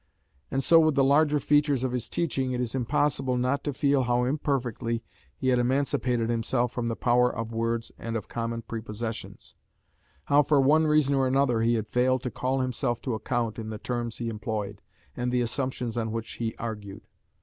And so with the larger features of his teaching it is impossible not to feel how imperfectly he had emancipated himself from the power of words and of common prepossessions; how for one reason or another he had failed to call himself to account in the terms he employed, and the assumptions on which he argued.